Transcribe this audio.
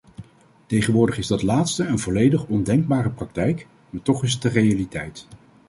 Tegenwoordig is dat laatste een volledig ondenkbare praktijk, maar toch is het de realiteit.